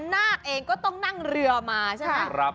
นาคเองก็ต้องนั่งเรือมาใช่ไหม